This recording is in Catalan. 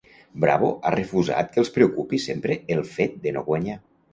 Bravo ha refusat que els preocupi sempre el fet de no guanyar.